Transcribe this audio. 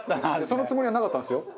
そのつもりはなかったんですよ。